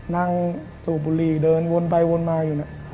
นั่งสู่บุรีเดินวนไปวนมาอยู่นะ